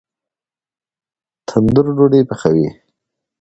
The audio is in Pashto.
تندور ډوډۍ پخوي